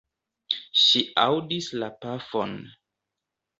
Ŝi aŭdis la pafon.